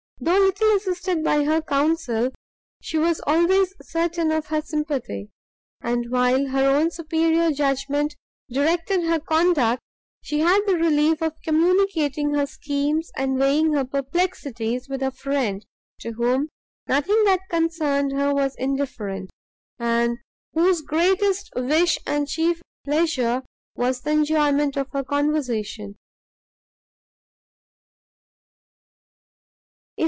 Though little assisted by her counsel, she was always certain of her sympathy; and while her own superior judgment directed her conduct, she had the relief of communicating her schemes, and weighing her perplexities, with a friend to whom nothing that concerned her was indifferent, and whose greatest wish and chief pleasure was the enjoyment of her conversation.